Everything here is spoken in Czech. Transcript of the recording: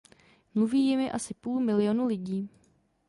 Mluví jimi asi půl milionu lidí.